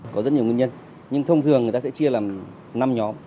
có rất nhiều nguyên nhân nhưng thông thường người ta sẽ chia làm năm nhóm